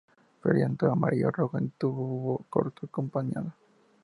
Perianto amarillo-rojo, en tubo corto, acampanado.